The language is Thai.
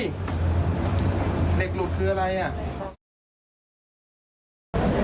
เหล็กหลุดคืออย่างไร